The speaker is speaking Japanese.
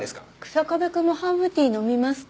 草壁くんもハーブティー飲みますか？